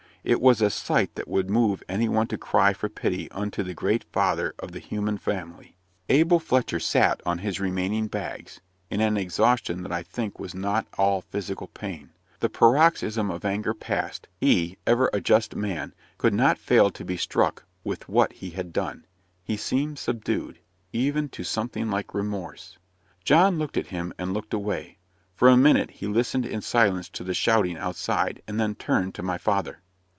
It was a sight that would move any one to cry for pity unto the Great Father of the human family. Abel Fletcher sat on his remaining bags, in an exhaustion that I think was not all physical pain. The paroxysm of anger past, he, ever a just man, could not fail to be struck with what he had done. He seemed subdued, even to something like remorse. John looked at him, and looked away. For a minute he listened in silence to the shouting outside, and then turned to my father.